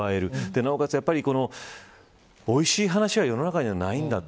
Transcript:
なおかつ、おいしい話は世の中にはないんだと